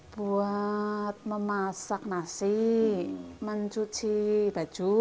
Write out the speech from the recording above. buat memasak nasi mencuci baju